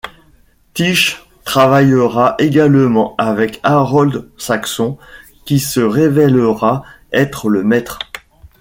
Tish travaillera également avec Harold Saxon qui se révélera être Le Maître.